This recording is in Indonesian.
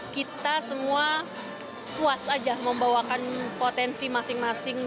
kita semua puas aja membawakan potensi masing masing